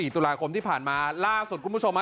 ตุลาคมที่ผ่านมาล่าสุดคุณผู้ชมฮะ